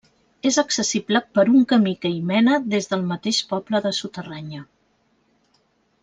És accessible per un camí que hi mena des del mateix poble de Suterranya.